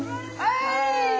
はい。